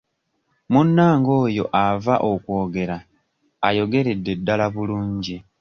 Munnange oyo ava okwogera ayogeredde ddala bulungi.